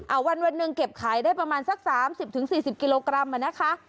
เอาวันหนึ่งเก็บขายได้ประมาณสัก๓๐๔๐กิโลกรัมอ่ะนะคะ